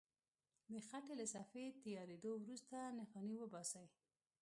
د خټې له صفحې تیارېدو وروسته نښانې وباسئ.